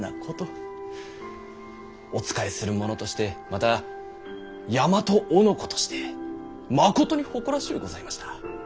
お仕えする者としてまた大和男としてまことに誇らしゅうございました。